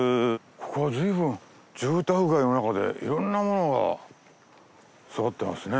ここはずいぶん住宅街の中でいろんなものが育ってますね。